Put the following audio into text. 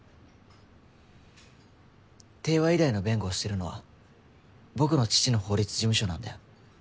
帝和医大の弁護をしてるのは僕の父の法律事務所なんだよ。